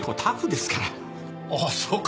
ああそうか。